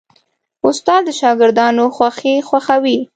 استاد د شاګردانو خوښي خوښوي.